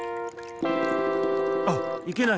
あっいけない！